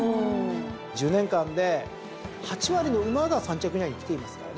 １０年間で８割の馬が３着以内に来ていますからね。